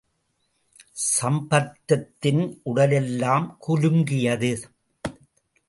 சம்பந்தத்தின் உடலெல்லாம் குலுங்கியது.